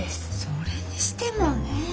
それにしてもねえ？